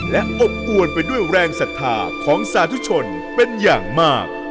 และอบอวนไปด้วยแรงศรัทธาของสาธุชนเป็นอย่างมาก